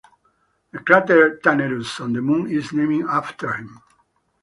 The crater Tannerus on the Moon is named after him.